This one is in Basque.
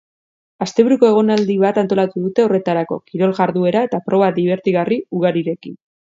Asteburuko egonaldi bat antolatuko dute horretarako, kirol jarduera eta proba dibertigarri ugarirekin.